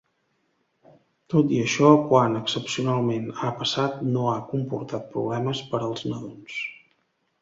Tot i això, quan excepcionalment ha passat no ha comportat problemes per als nadons.